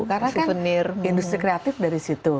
karena kan industri kreatif dari situ